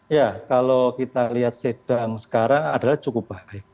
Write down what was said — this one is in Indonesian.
ya kalau kita lihat sidang sekarang adalah cukup baik